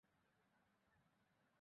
হয়ে যাবে, ক্যাপটেন।